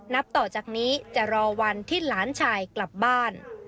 ต่อจากนี้จะรอวันที่หลานชายกลับบ้าน